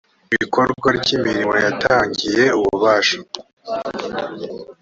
bikorwa ry imirimo yatangiye ububasha